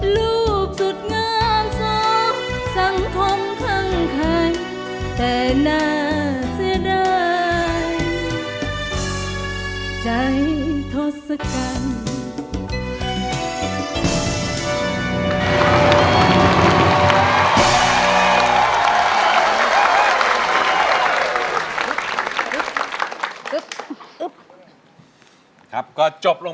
รูปสุดงามสองสังคมทั้งใคร